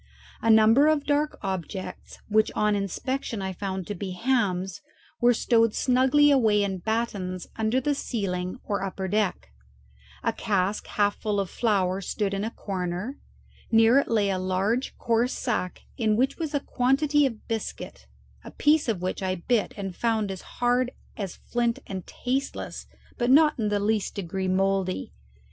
A number of dark objects, which on inspection I found to be hams, were stowed snugly away in battens under the ceiling or upper deck; a cask half full of flour stood in a corner; near it lay a large coarse sack in which was a quantity of biscuit, a piece of which I bit and found it as hard as flint and tasteless, but not in the least degree mouldy.